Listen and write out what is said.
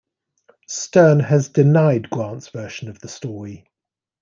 Stern has denied Grant's version of the story.